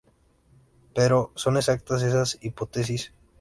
Pero ¿son exactas estas hipótesis?